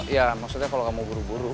ya maksudnya kalau kamu buru buru